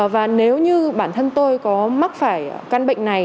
và nếu như bản thân tôi có mắc phải căn bệnh này